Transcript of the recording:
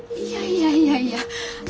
いやいやいやいや。